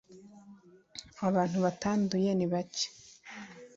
Abantu batanduye nibake.